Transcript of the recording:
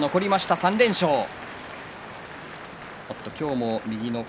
３連勝です。